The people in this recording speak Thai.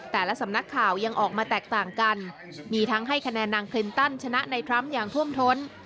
แต่ละสำนักข่าวยังออกมาแตกต่างกันมีทั้งให้คะแนนนางคลินตันชนะในทรัมป์อย่างท่วมท้น